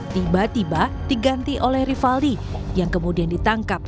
tiba tiba diganti oleh rivaldi yang kemudian ditangkap